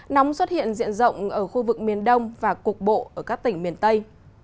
nóng xuất hiện diện rộng ở khu vực miền đông và cục bộ ở các tỉnh miền tây